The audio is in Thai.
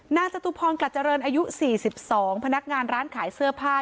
หน้าจตุพรกระเจริญอายุสี่สิบสองพนักงานร้านขายเสื้อผ้า